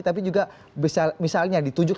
tapi juga misalnya ditujuk